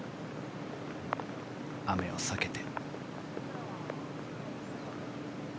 雨を避けて。